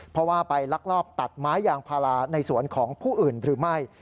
เพราะว่าไปลักลอบตัดไม้ยางพาราในสวนของผู้อื่นหรือไม่